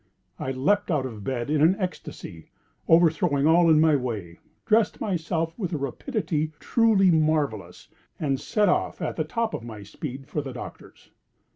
I leaped out of bed in an ecstacy, overthrowing all in my way; dressed myself with a rapidity truly marvellous; and set off, at the top of my speed, for the doctor's.